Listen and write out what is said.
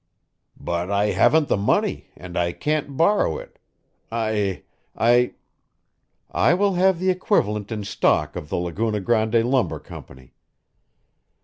"But I haven't the money and I can't borrow it. I I " "I will have the equivalent in stock of the Laguna Grande Lumber Company.